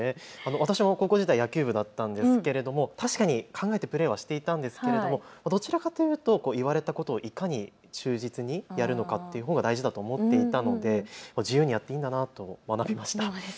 私も高校時代、野球部だったんですけど確かに考えてくれはしていたんですけど、どちらかというと言われたことをいかに忠実にやるのかというほうが大事だと思っていたので、自由にやっていいんだなと学びました。